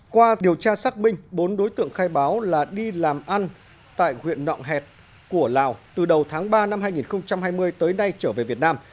qua điều tra xác minh bốn đối tượng khai báo là đi làm ăn tại huyện nọng hẹt của lào từ đầu tháng ba năm hai nghìn hai mươi tới nay trở về việt nam